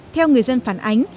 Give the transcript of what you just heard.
theo người dân phản ánh